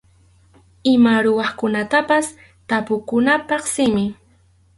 Ima ruraqmantapas tapukunapaq simi.